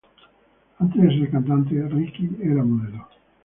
Antes de ser cantante, Ricky era modelo.